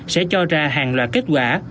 sẽ cho ra hàng loại kết quả